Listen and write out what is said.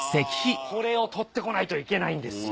これを撮ってこないといけないんですよ。